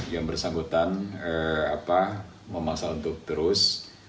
yang bersangkutan memaksa untuk terus